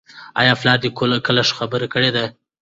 آیا پلار دې کله ښه خبره کړې ده؟